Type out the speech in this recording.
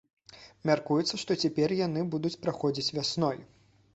Мяркуецца, што цяпер яны будуць праходзіць вясной.